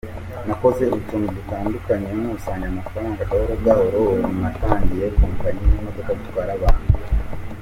Nakoze utuntu dutandukanye, nkusanya amafaranga gahora gahoro, ubu natangije kompanyi y’imodoka zitwara abantu.